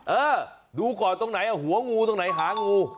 เออดูก่อนตรงไหนหัวงูตรงไหนหางู